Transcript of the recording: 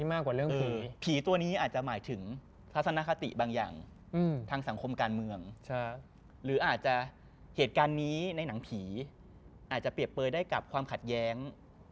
มันอาจจะกำลัง